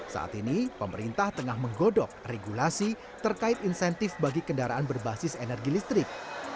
saat ini pemerintah tengah menggodok regulasi terkait insentif bagi kendaraan berbasis energi listrik